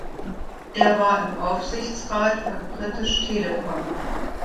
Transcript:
Er war im Aufsichtsrat von British Telecom.